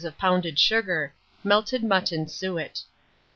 of pounded sugar; melted mutton suet.